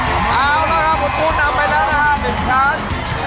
เอาละครับบนตู้นำไปแล้วนะฮะ๑ชั้น